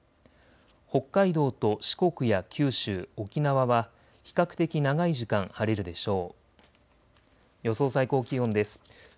北海道と四国や九州、沖縄は比較的長い時間、晴れるでしょう。